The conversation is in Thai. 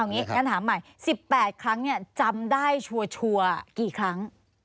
งั้นถามใหม่๑๘ครั้งจำได้ชัวร์กี่ครั้ง